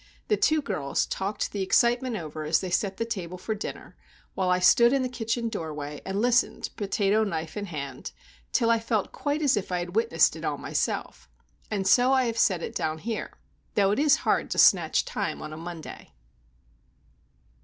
The two girls talked the excitement over as they set the table for dinner, while I stood in the kitchen doorway and listened, potato knife in hand, till I felt quite as if I had witnessed it all myself,—and so I have set it down here, though it is hard to snatch time on a Monday.